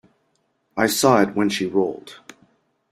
I saw it when she rolled.